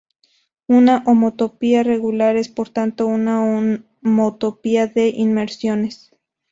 Una homotopía regular es por tanto una homotopía de inmersiones.